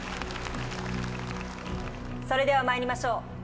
それでは参りましょう。